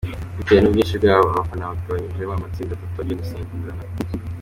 Bitewe n’ubwinshi bwabo, abana bagabanyijemo amatsinda atatu agenda asimburana.